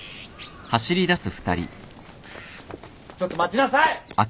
ちょっと待ちなさい。